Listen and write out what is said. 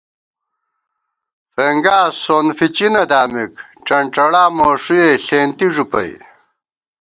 فېنگاس، سون فِچِنہ دامِک، ڄنڄَڑا موݭُوئےݪېنتی ݫُپَئ